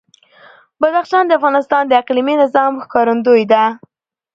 بدخشان د افغانستان د اقلیمي نظام ښکارندوی ده.